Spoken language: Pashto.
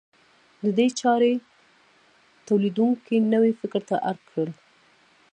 دې چارې تولیدونکي نوي فکر ته اړ کړل.